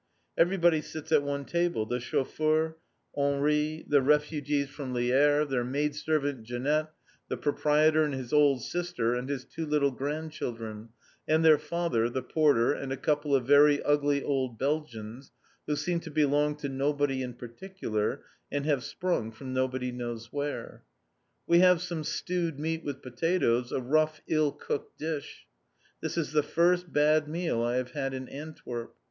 Everybody sits at one table, the chauffeur, Henri, the refugees from Lierre, their maidservant, Jeanette, the proprietor, and his old sister, and his two little grandchildren, and their father, the porter, and a couple of very ugly old Belgians, who seem to belong to nobody in particular, and have sprung from nobody knows where. We have some stewed meat with potatoes, a rough, ill cooked dish. This is the first bad meal I have had in Antwerp.